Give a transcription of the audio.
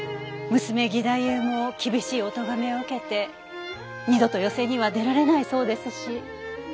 娘義太夫も厳しいお咎めを受けて二度と寄席には出られないそうですし。